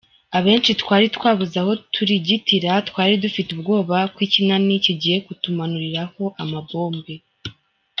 Abenshi twari twabuze aho turigitira, twari dufite ubwoba ko Ikinani kigiye kutumanuriraho amabombe.